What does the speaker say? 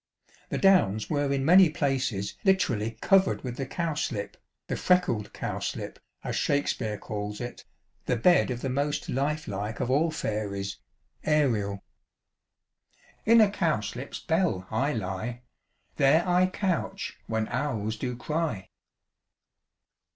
The Downs were in many places literally covered with the cowslip, the "freckled cowslip," as Shakespeare calls it, the bed of the most life like of all fairies, Ariel. " In a cowslip's bell I lie ; There I couch when owls do cry.